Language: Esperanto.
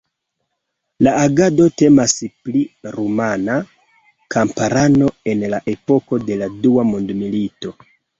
La agado temas pri rumana kamparano en la epoko de la Dua Mondmilito.